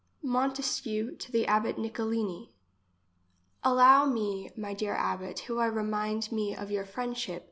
Montesquieu to the abbot Nicolini. Allow me, my dear abbot, who I remind me of your friendship.